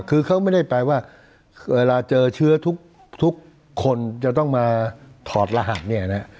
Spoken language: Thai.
คือเขาไม่ได้แปลว่าเวลาเจอเชื้อทุกคนจะต้องมาถอดรหัสเนี่ยนะ